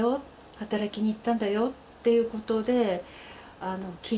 働きに行ったんだよっていうことで聞いていたものですから。